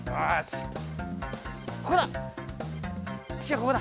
ここだ！